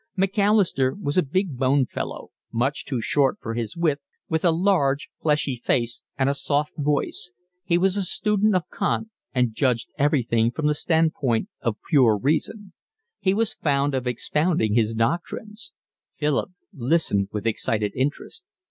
Macalister was a big boned fellow, much too short for his width, with a large, fleshy face and a soft voice. He was a student of Kant and judged everything from the standpoint of pure reason. He was fond of expounding his doctrines. Philip listened with excited interest.